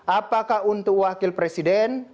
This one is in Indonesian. apakah untuk wakil presiden